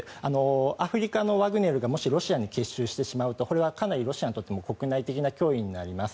アフリカのワグネルがもし、ロシアに結集してしまうとこれはかなりロシアにとっても国内的な脅威になります。